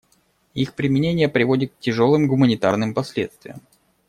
Их применение приводит к тяжелым гуманитарным последствиям.